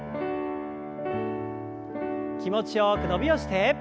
気持ちよく伸びをして。